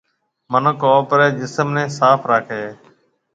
مِنک آپريَ جسم نَي صاف راکيَ هيَ۔